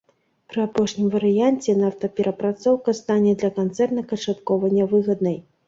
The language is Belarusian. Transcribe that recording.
Пры апошнім варыянце нафтаперапрацоўка стане для канцэрна канчаткова нявыгаднай.